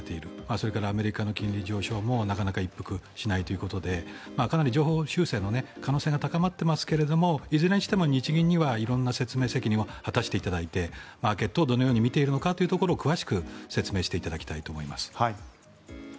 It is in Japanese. それからアメリカの金利上昇もなかなか一服しないということでかなり上方修正の可能性が高まっていますがいずれにしても日銀には色んな説明責任を果たしていただいてマーケットをどのように見ているのかを詳しく説明していただきたいと思います。